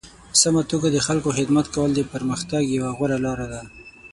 په سمه توګه د خلکو خدمت کول د پرمختګ یوه غوره لاره ده.